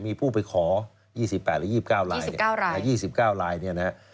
มีผู้ไปขอยี่สิบแปดหรือยี่สิบเก้าลายยี่สิบเก้าลายยี่สิบเก้าลายเนี้ยนะฮะ